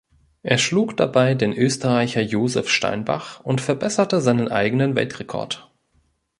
Er schlug dabei den Österreicher Josef Steinbach und verbesserte seinen eigenen Weltrekord.